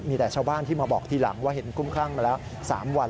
มีแต่ชาวบ้านที่มาบอกทีหลังว่าเห็นคุ้มครั่งมาแล้ว๓วัน